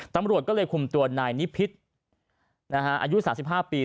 ตำรวจก็เลยคุมตัวนายนิพิษอายุ๓๕ปี